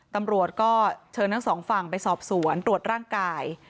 ตำรวจก็เชิญทั้งสองฝั่งไปสอบสวนตรวจร่างกาย